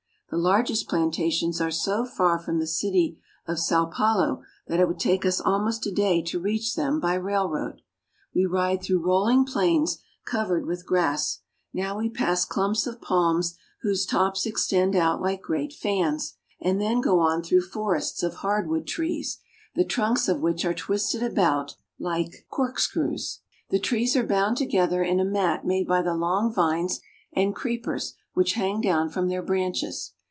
The largest plantations are so far from the city of Sao Paulo that it would take us almost a day to reach them by railroad. We ride through rolHng plains covered with grass ; now we pass clumps of palms whose tops extend out like great fans, and then go on through forests of hard wood trees, the trunks of which are twisted about like Banana Plantation. THE LAND OF COFFEE. 259 corkscrews. The trees are bound together in a mat made by the long vines and creepers which hang down from their branches.